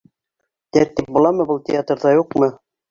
Тәртип буламы был театрҙа, юҡмы?